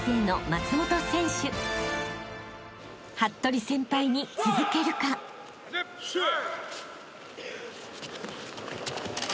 ［服部先輩に続けるか？］始め。